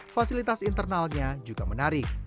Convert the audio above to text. fasilitas internalnya juga menarik